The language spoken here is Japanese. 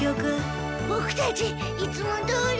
ボクたちいつもどおり。